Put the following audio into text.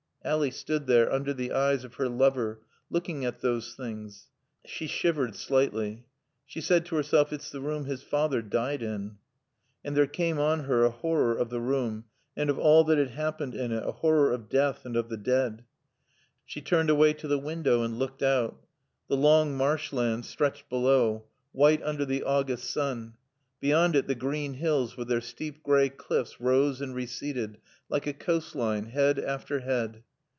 Ally stood there, under the eyes of her lover, looking at those things. She shivered slightly. She said to herself, "It's the room his father died in." And there came on her a horror of the room and of all that had happened in it, a horror of death and of the dead. She turned away to the window and looked out. The long marshland stretched below, white under the August sun. Beyond it the green hills with their steep gray cliffs rose and receded, like a coast line, head after head.